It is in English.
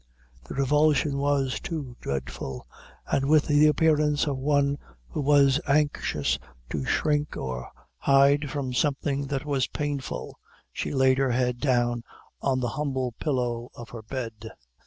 The revulsion was too dreadful; and with the appearance of one who was anxious to shrink or hide from something that was painful, she laid her head down on the humble pillow of her bed.